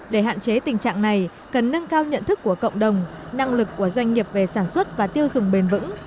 để hạn chế tình trạng này cần nâng cao nhận thức của cộng đồng năng lực của doanh nghiệp về sản xuất và tiêu dùng bền vững